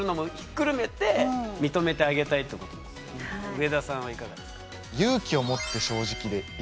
上田さんはいかがですか？